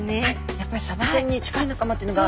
やっぱりサバちゃんに近い仲間ってのが。